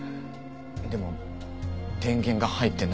でも電源が入ってないって。